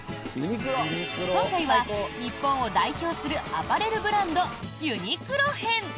今回は日本を代表するアパレルブランドユニクロ編。